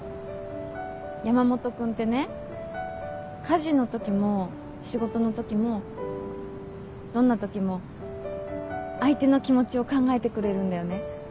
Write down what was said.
山本君ってね家事のときも仕事のときもどんなときも相手の気持ちを考えてくれるんだよね。